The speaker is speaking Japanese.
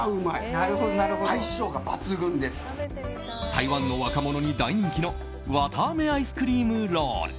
台湾の若者に大人気の綿あめアイスクリームロール。